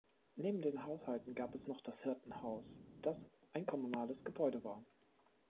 Neben den Haushalten gab es noch das Hirtenhaus, das ein kommunales Gebäude war.